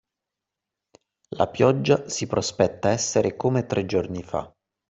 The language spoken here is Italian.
La pioggia si prospetta essere come tre giorni fa.